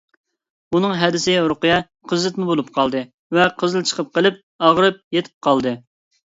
ئۇنىڭ ھەدىسى رۇقىيە قىزىتما بولۇپ قالدى ۋە قىزىل چىقىپ قېلىپ ئاغرىپ يېتىپ قالدى.